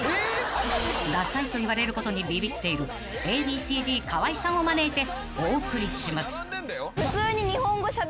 ［ダサいと言われることにビビっているＡ．Ｂ．Ｃ−Ｚ河合さんを招いてお送りします］